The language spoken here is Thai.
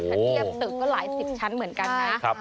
ถ้าเกี่ยวสิบชั้นเหมือนกันนะ